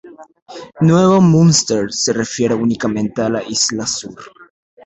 Nuevo Munster se refiere únicamente a la Isla Sur.